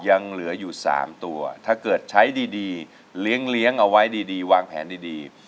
ยังเหลืออยู่๓ตัวถ้าเกิดใช้ดีเลี้ยงเอาไว้ดีวางแผนดี